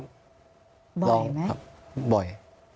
บ่อยไหมครับบ่อย